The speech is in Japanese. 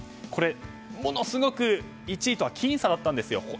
これ、ものすごく１位とは僅差だったんですよ。